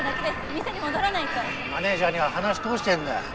マネージャーには話通してんだよ。